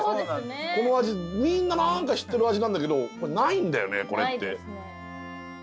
この味みんななんか知ってる味なんだけどないんだよねこれって。